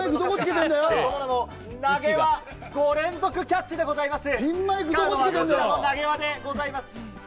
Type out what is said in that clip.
その名も、投げ輪５連続キャッチでございます。